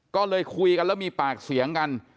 ก็เลยคุยกันแล้วมีปากเสียงกัน